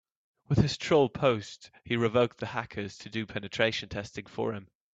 With his troll post he provoked the hackers to do penetration testing for him.